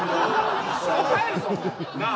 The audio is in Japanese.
もう帰るぞなあ